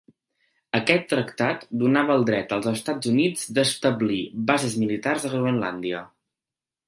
Aquest tractat donava el dret als Estats Units d'establir bases militars a Groenlàndia.